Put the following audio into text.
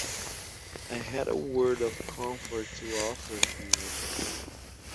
I had a word of comfort to offer here.